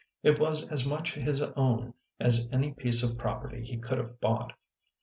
It was as much his own as any piece of property he could have bought.